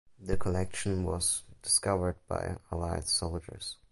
The collection was discovered by Allied soldiers.